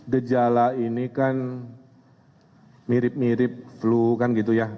gejala ini kan mirip mirip flu kan gitu ya